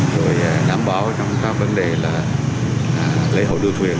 rồi đảm bảo trong các vấn đề là lấy hậu đua thuyền